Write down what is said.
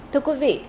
thưa quý vị